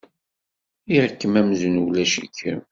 Rriɣ-kem amzun ulac-ikem.